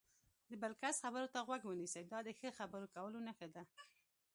د بل کس خبرو ته غوږ ونیسئ، دا د ښه خبرو کولو نښه ده.